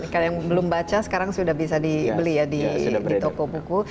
kalau yang belum baca sekarang sudah bisa dibeli ya di toko buku